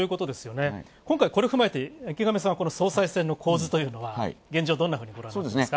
今回、これを踏まえて池上さんはこの総裁選の構図というのは現状、どんなふうにご覧になっていますか？